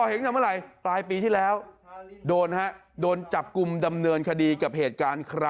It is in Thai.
เอ้าไปก่อเห็นกันเมื่อไหร่